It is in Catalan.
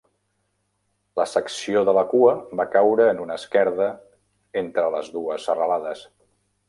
La secció de la cua va caure en una esquerda entre les dues serralades.